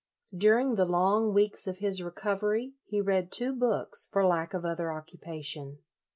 During the long weeks of his recovery he read two books, for lack of other occu pation.